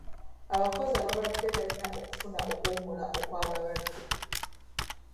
Abakozi abalwadde balina okufuna okuwummula okw'abalwadde.